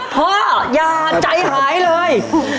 พ่ออย่าใจหายเลย